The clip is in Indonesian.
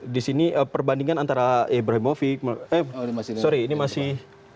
di sini perbandingan antara ibrahimovic eh sorry ini masih